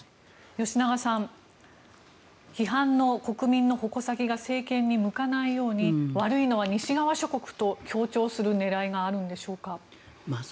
吉永さん批判の国民の矛先が政権に向かないように悪いのは西側諸国と強調する狙いがあるんでしょうか。